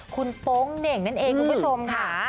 คุณโป๊งเหน่งนั่นเองคุณผู้ชมค่ะ